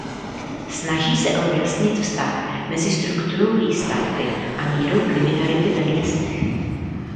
Snaží se objasnit vztah mezi strukturou výstavby a mírou kriminality ve městech.